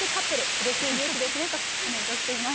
うれしいニュースですねとコメントしています。